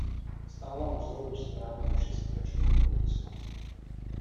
Stála u zrodu zprávy Naše společná budoucnost.